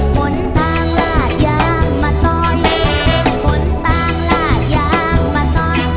มนตางลาดยางมาซอยมนตางลาดยางมาซอย